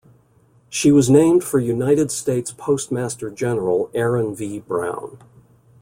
She was named for United States Postmaster General Aaron V. Brown.